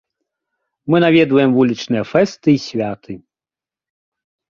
Мы наведваем вулічныя фэсты і святы.